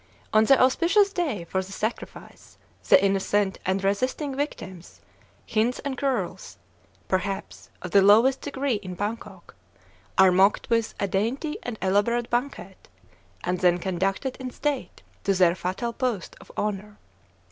On the "auspicious" day for the sacrifice, the innocent, unresisting victims "hinds and churls" perhaps, of the lowest degree in Bangkok are mocked with a dainty and elaborate banquet, and then conducted in state to their fatal post of honor.